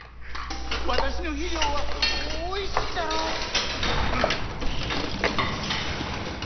私の肥料はおいしいだろう？ウッ！